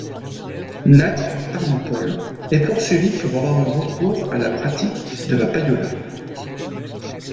Nat Tarnopol est poursuivi pour avoir eu recours à la pratique de la payola.